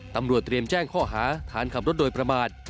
ตำรวจเตรียมแจ้งข้อหาฐานขับรถโดยประมาท